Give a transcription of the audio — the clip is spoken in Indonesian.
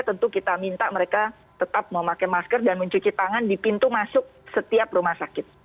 tentu kita minta mereka tetap memakai masker dan mencuci tangan di pintu masuk setiap rumah sakit